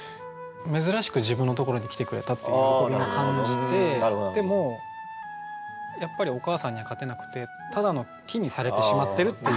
珍しく自分のところに来てくれたっていう喜びも感じてでもやっぱりお母さんには勝てなくてただの樹にされてしまってるっていう。